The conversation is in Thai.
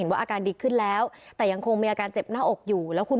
ว่าอาการดีขึ้นแล้วแต่ยังคงมีอาการเจ็บหน้าอกอยู่แล้วคุณ